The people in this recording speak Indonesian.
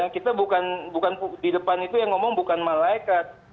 kita bukan di depan itu yang ngomong bukan malaikat